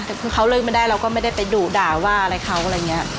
แต่คือเขาเลิกไม่ได้เราก็ไม่ได้ไปดุด่าว่าอะไรเขาอะไรอย่างนี้